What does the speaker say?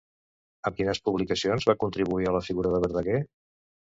Amb quines publicacions va contribuir a la figura de Verdaguer?